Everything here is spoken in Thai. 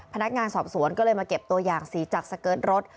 พนักงานสอบสวนก็เลยมาเก็บตัวอย่างสีจากสเกิร์ตรถ